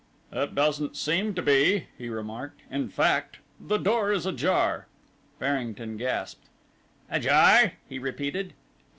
"It doesn't seem to be," he remarked; "in fact, the door is ajar." Farrington gasped. "Ajar?" he repeated.